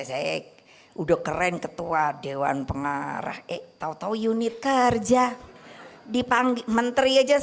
seks udah keren ketua dewan pengarah eh tau tau unit kerja dipanggil menteri aja saya pengen menangis